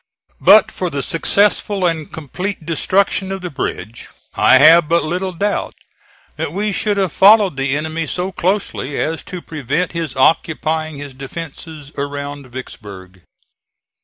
But for the successful and complete destruction of the bridge, I have but little doubt that we should have followed the enemy so closely as to prevent his occupying his defences around Vicksburg.